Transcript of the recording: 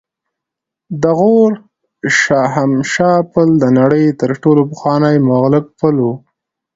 د غور د شاهمشه پل د نړۍ تر ټولو پخوانی معلق پل و